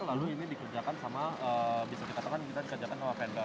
lalu ini dikerjakan sama bisa dikatakan kita dikerjakan sama vendor